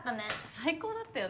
最高だったよね。